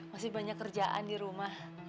masih banyak kerjaan di rumah